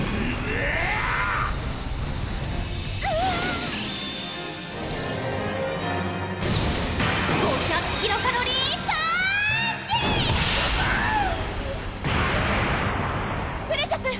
ウゥプレシャス！